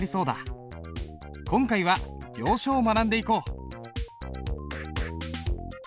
今回は行書を学んでいこう。